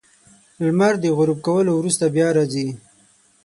• لمر د غروب کولو وروسته بیا راځي.